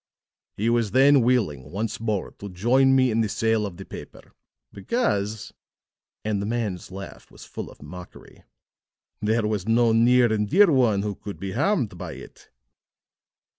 "He was then willing, once more, to join me in the sale of the paper, because," and the man's laugh was full of mockery, "there was no near and dear one who could be harmed by it."